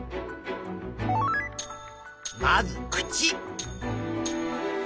まず口。